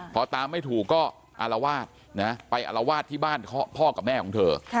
พอตามไม่ถูกก็อารวาสไปอารวาสที่บ้านพ่อกับแม่ของเธอ